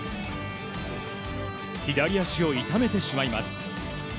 左足を痛めてしまいます。